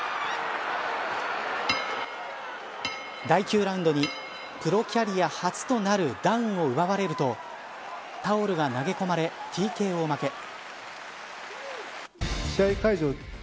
第９ラウンドにプロキャリア初となるダウンを奪われるとタオルが投げ込まれＴＫＯ負け。